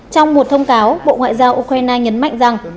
trong một thông cáo bộ ngoại giao ukraine nhấn mạnh rằng